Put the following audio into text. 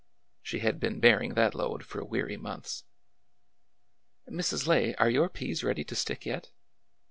She had been bearing that load for weary months. " Mrs. Lay, are your peas ready to stick yet ?